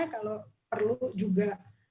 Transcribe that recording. kalau perlu juga